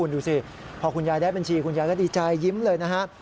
ดูสิพอคุณยายได้บัญชีคุณยายก็ดีใจยิ้มเลยนะครับ